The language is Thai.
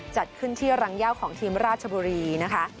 จัดขึ้นที่รังยาวของทีมราชบุรีนะคะ